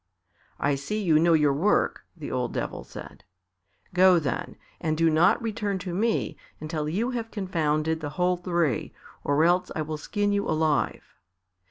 "I see you know your work," the old Devil said. "Go then, and do not return to me until you have confounded the whole three, or else I will skin you alive."